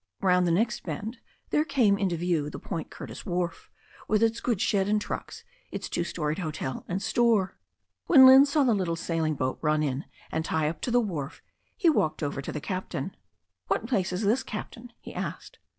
Round the next bend there came into view the Point Curtis wharf, with its goods shed and trucks, its two storied hotel and store. When Lynne saw the little sailing boat run in and tie up to the wharf, he walked over to the captain. "What place is this, captain?" he asked.